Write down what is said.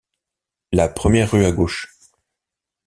La première rue à gauche.